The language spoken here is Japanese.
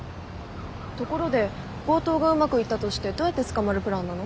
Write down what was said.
ところで強盗がうまくいったとしてどうやって捕まるプランなの？